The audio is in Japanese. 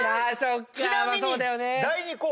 ちなみに。